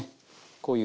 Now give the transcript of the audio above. こういう。